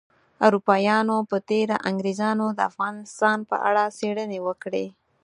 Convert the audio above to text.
اروپایانو په تیره انګریزانو د افغانستان په اړه څیړنې وکړې